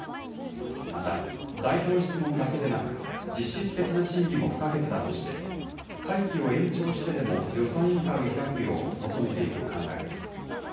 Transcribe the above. また、代表質問だけでなく、実質的な審議も不可欠だとして、会期を延長してでも予算委員会を開くよう求めていく考えです。